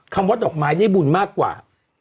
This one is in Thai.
ว่าดอกไม้ได้บุญมากกว่า